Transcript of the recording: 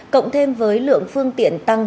cộng thêm với lượng phương tiện tăng